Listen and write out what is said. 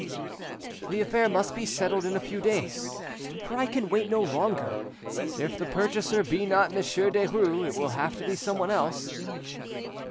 "The affair must be settled in a few days, for I can wait no longer; if the purchaser be not Monsieur Derues, it will have to be someone else.